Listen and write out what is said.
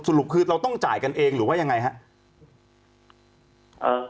สรุปคือเราต้องจ่ายกันเองหรือว่ายังไงครับ